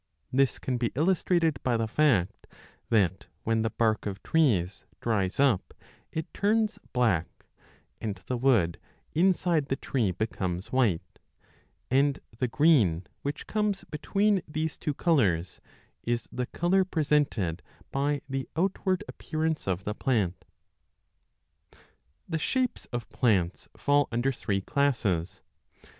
This can be illustrated by the fact that when the bark of trees dries up it turns black, and the wood inside the tree becomes white, and the green, which conies between these 3 two colours, is the colour presented by the outward appear ance of the plant. The shapes of plants fall under three classes.